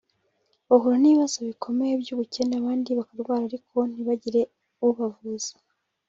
bahura n’ibibazo bikomeye by’ubukene abandi bakarwara ariko ntibagire ubavuza